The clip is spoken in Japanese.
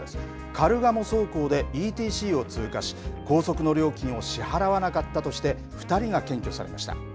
カルガモ走行でＥＴＣを通過し、高速の料金を支払わなかったとして、２人が検挙されました。